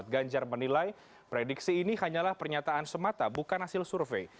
ganjar menilai prediksi ini hanyalah pernyataan semata bukan hasil survei